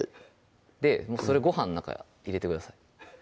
それご飯の中入れてください